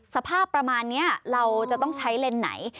สภาพประมาณนี้เราจะต้องใช้เลนส์ไหน